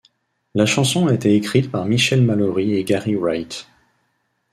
La chanson a été écrite par Michel Mallory et Gary Wright.